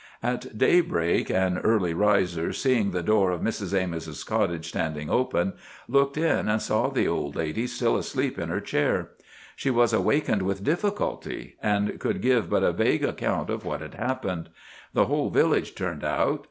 At daybreak an early riser, seeing the door of Mrs. Amos' cottage standing open, looked in and saw the old lady still asleep in her chair. She was awakened with difficulty, and could give but a vague account of what had happened. The whole village turned out.